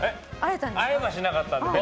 会えはしなかったんです。